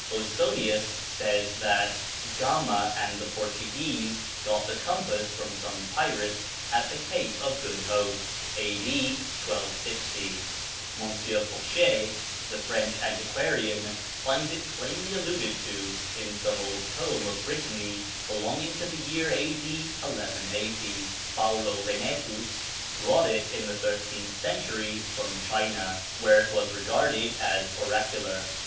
Osonius says that Gama and the Portuguese got the compass from some pirates at the Cape of Good Hope, A.D. 1260. M. Fauchet, the French antiquarian, finds it plainly alluded to in some old poem of Brittany belonging to the year A.D. 1180. Paulo Venetus brought it in the thirteenth century from China, where it was regarded as oracular.